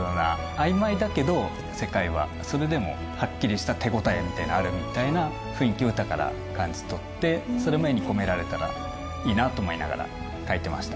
曖昧だけど世界はそれでもはっきりした手応えがあるみたいな雰囲気を歌から感じ取ってそれも絵に込められたらいいなと思いながら描いてました。